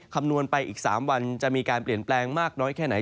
คำนวณไปอีก๓วันจะมีการเปลี่ยนแปลงมากน้อยแค่ไหน